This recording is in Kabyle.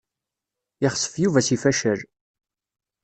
Yexsef Yuba seg facal.